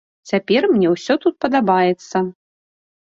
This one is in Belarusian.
Цяпер мне ўсё тут падабаецца.